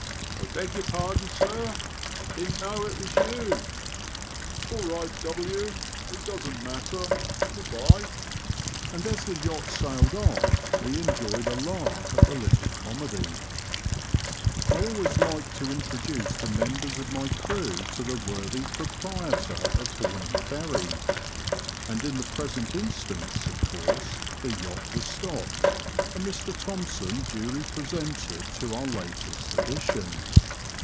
'* I beg your pardon, sir ; I didn't know it was you." " All right, W ;' it doesn't matter. Good bye ;" and as the yacht sailed on, we enjoyed a laugh at the little comedy* I always like to introduce the members of my crew to the worthy proprietor of Homing Ferry, and in the present instance of course the yacht was stopped, and Mr Thompson duly presented to our latest addition.